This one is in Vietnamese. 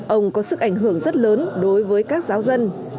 ông có sức ảnh hưởng rất lớn đối với các giáo dân